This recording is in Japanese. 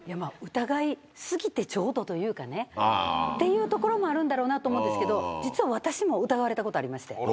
疑い過ぎてちょうどというかねっていうところもあるんだろうなと思うんですけど実は私も疑われたことありまして。